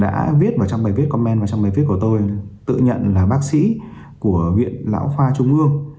đã viết vào trong bài viết comen và trong bài viết của tôi tự nhận là bác sĩ của viện lão khoa trung ương